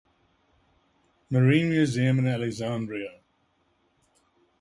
Marine Museum in Alexandria.